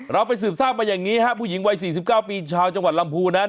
เราไปสืบทราบมาอย่างนี้ครับผู้หญิงวัย๔๙ปีชาวจังหวัดลำพูนั้น